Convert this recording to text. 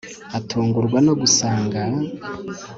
atungurwa no gusanga……… …………